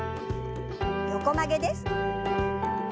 横曲げです。